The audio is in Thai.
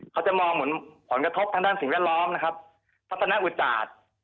เขาจะมองผลกระทบทางด้านสิ่งแวดล้อมพัฒนาอุจจาต